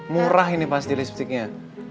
murah ini pasti lipsticknya